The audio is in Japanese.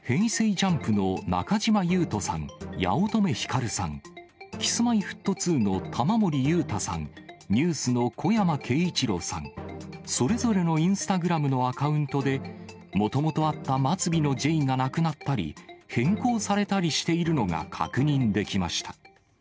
ＪＵＭＰの中島裕翔さん、八乙女光さん、Ｋｉｓ−Ｍｙ−Ｆｔ２の玉森裕太さん、ＮＥＷＳの小山慶一郎さん、それぞれのインスタグラムのアカウントで、もともとあった末尾のｊがなくなったり、変更されたりしているのが確認できました。